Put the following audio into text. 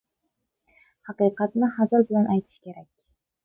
• Haqiqatni hazil bilan aytish kerak.